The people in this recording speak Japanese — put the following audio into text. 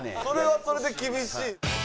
それはそれで厳しい。